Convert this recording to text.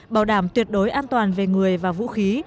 bảo đảm tuyệt đối an toàn về người và vũ khí